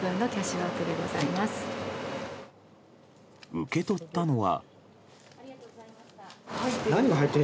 受け取ったのは。